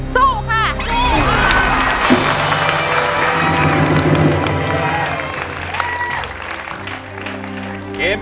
สู้ค่ะ